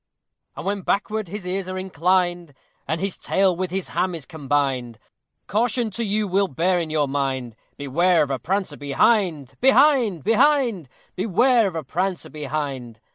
And when backward his ears are inclined, And his tail with his ham is combined, Caution two you will bear in your mind: Beware of a prancer behind! Behind! behind! Beware of a prancer behind!